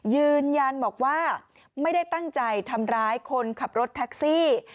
ยืนยันบอกว่าไม่ได้ตั้งใจทำร้ายคนขับรถแท็กซี่